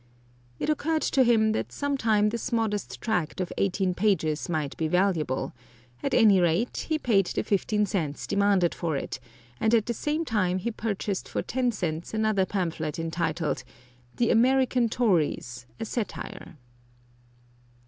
It occurred to him that some time this modest tract of eighteen pages might be valuable; at any rate, he paid the fifteen cents demanded for it, and at the same time he purchased for ten cents another pamphlet entitled "The American Tories, a Satire."